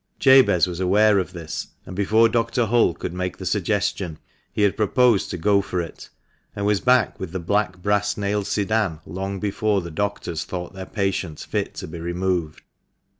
Jabez was aware of this, and before Dr. Hull could make the suggestion, he had proposed to go for it, and was back with the black, brass nailed sedan long before the doctors thought their patient fit to be removed.